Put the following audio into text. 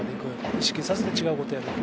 意識をさせて違うことをやる